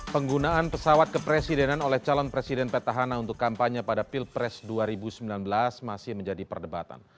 penggunaan pesawat kepresidenan oleh calon presiden petahana untuk kampanye pada pilpres dua ribu sembilan belas masih menjadi perdebatan